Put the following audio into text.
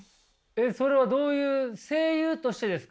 それはどういう声優としてですか？